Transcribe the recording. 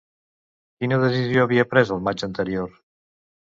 Quina decisió havia pres el maig anterior?